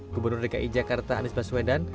gubernur dki jakarta anies baswedan